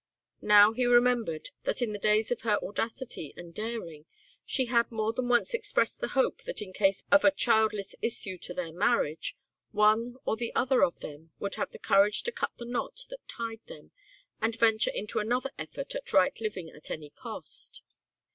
Now he remembered that in the days of her audacity and daring she had more than once expressed the hope that in case of a childless issue to their marriage one or the other of them would have the courage to cut the knot that tied them and venture into another effort at right living at any cost.